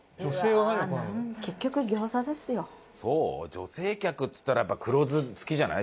女性客っつったらやっぱ黒酢好きじゃない？